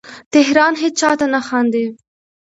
تهران هیچا ته نه خاندې